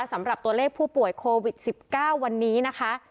สำหรับตัวเลขผู้ป่วยโควิด๑๙วันนี้นะคะ